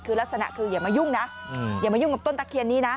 คือลักษณะคืออย่ามายุ่งนะอย่ามายุ่งกับต้นตะเคียนนี้นะ